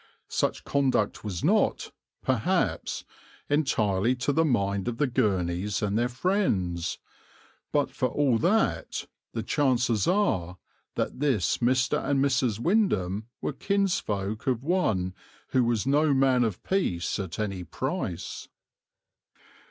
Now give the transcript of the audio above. Such conduct was not, perhaps, entirely to the mind of the Gurneys and their friends, but, for all that, the chances are that this Mr. and Mrs. Windham were kinsfolk of one who was no man of peace at any price.